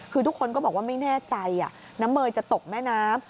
คือทุกคนก็บอกว่าไม่แน่ใจน้ำเมย์จะตกแม่น้ำ